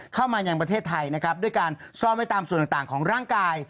เข้ามายังประเทศไทยนะครับด้วยการซ่อนไว้ตามส่วนต่างของร่างกาย